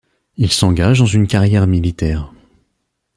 Il s'engage dans une carrière militaire.